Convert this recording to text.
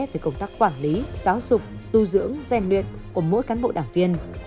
về công tác quản lý giáo dục tu dưỡng gian luyện của mỗi cán bộ đảng viên